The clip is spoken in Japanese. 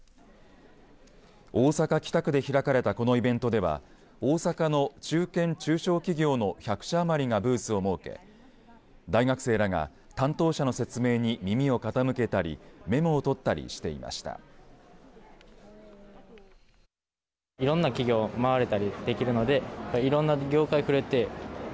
大阪北区で開かれたこのイベントでは大阪の中堅、中小企業の１００社余りがブースを設け大学生らが担当者の説明に耳を傾けたりメモを取ったりしていました。